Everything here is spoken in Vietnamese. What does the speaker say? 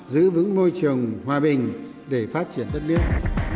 giữ vững môi trường hòa bình để phát triển đất nước